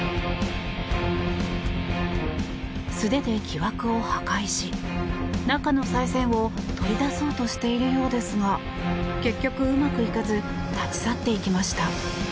素手で木枠を破壊し中のさい銭を取り出そうとしているようですが結局うまくいかず立ち去っていきました。